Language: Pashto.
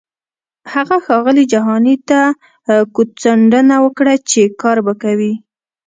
هغه ښاغلي جهاني ته کوتڅنډنه وکړه چې کار به کوي.